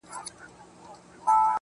دا ځل به مخه زه د هیڅ یو شیطان و نه نیسم